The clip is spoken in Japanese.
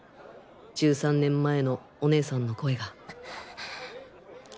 １３年前のお姉さんの声が。